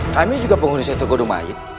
kami juga penghuni setro gondomayut